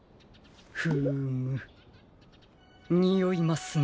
フームにおいますね。